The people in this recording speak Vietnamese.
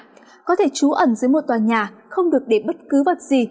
có thể trú ẩn dưới một tòa nhà không được để bất cứ vật gì